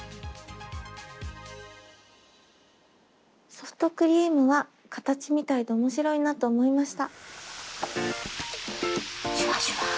ソフトクリームは形みたいで面白いなと思いました。